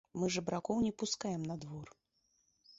Мы жабракоў не пускаем на двор!